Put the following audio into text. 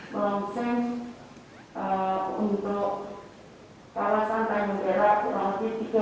blomsek untuk kalasan tanjung era kurang lebih tiga puluh lima